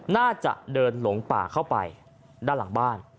น่าจะเดินหลงป่าเข้าไปด้านหลังบ้าน